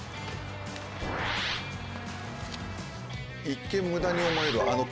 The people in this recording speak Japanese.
一見無駄に思えるあの。